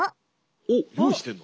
おっ用意してる？